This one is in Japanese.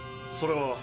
それは。